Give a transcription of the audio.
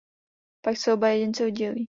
Pak se oba jedinci oddělí.